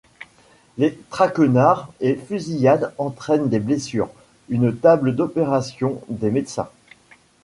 Les traquenards et fusillades entraînent des blessures, une table d'opération, des médecins.